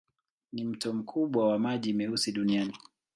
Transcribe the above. Ni mto mkubwa wa maji meusi duniani.